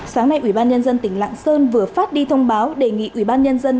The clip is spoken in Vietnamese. sáng nay ủy ban nhân dân tỉnh lạng sơn vừa phát đi thông báo đề nghị ủy ban nhân dân